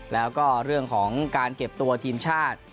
แล้วก็เรื่องของการเก็บตัวทีมชาติ